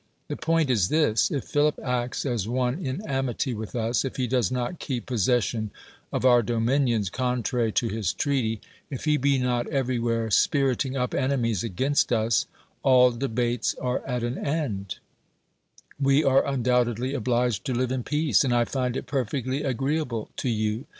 The point is this : if Philip acts as one in amity with us ; if he does not keep possession of our dominions contrary to his treaty; if he be not everywhere spiriting up enemies against us, all debates are at an end ; we are undoubtedly obliged to live in peace, and I find it perfectly agreeable to you.